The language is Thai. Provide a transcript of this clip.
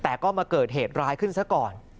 แต่ก็มาเกิดเหตุร้ายขึ้นซะก่อน